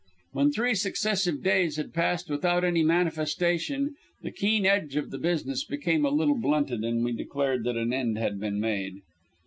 When three successive days had passed without any manifestation the keen edge of the business became a little blunted and we declared that an end had been made.